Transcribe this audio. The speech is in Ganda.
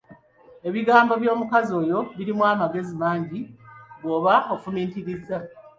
Ebigambo by'omukazi oyo birimu amagezi mangi bwoba ofumiitiriza.